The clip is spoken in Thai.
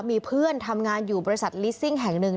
มีเพื่อนทำงานอยู่บริษัทลิสซิ่งแห่งหนึ่ง